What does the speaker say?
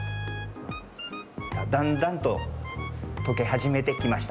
さあだんだんととけはじめてきました。